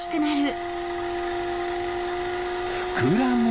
ふくらむ！